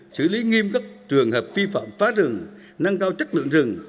giữ lý nghiêm cấp trường hợp phi phạm phá rừng năng cao chất lượng rừng